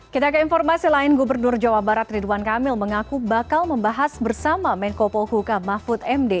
kita ke informasi lain gubernur jawa barat ridwan kamil mengaku bakal membahas bersama menko pohuka mahfud md